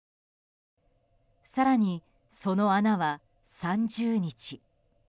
更に、その穴は３０日。